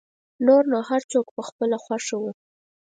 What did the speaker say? نور نو هر څوک په خپله خوښه و.